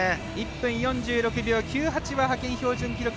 １分４６秒９８は派遣標準記録